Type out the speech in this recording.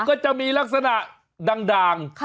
ก็จะมีลักษณะด่าง